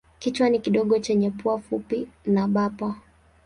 Kichwa ni kidogo chenye pua fupi na bapa.